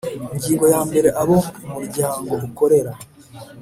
Ingingo ya mbere Abo umuryango ukorera